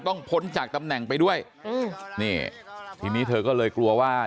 พ้นจากตำแหน่งไปด้วยอืมนี่ทีนี้เธอก็เลยกลัวว่า